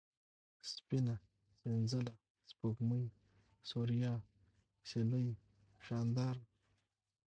سپينه ، سنځله ، سپوږمۍ ، سوریا ، سېلۍ ، شانداره